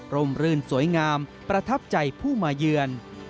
รื่นสวยงามประทับใจผู้มาเยือน